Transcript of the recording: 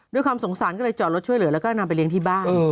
ด้วยความสงสารก็เลยจอดรถช่วยเหลือแล้วก็นำไปเลี้ยงที่บ้าน